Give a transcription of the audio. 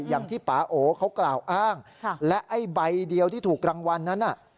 อย่างที่ปาโอเขากล่าวอ้างและใบเดียวที่ถูกรางวัลนั้น